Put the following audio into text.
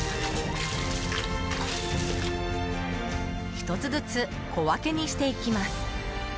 １つずつ小分けにしていきます。